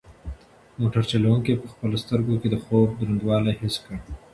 موټر چلونکي په خپلو سترګو کې د خوب دروندوالی حس کړ.